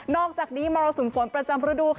อกจากนี้มรสุมฝนประจำฤดูค่ะ